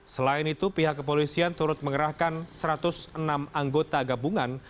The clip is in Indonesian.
selain itu pihak kepolisian turut mengerahkan satu ratus enam anggota gabungan